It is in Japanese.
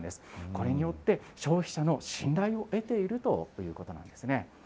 これによって、消費者の信頼を得ているということなんですね。